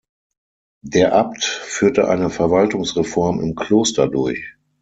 Der Abt führte eine Verwaltungsreform im Kloster durch.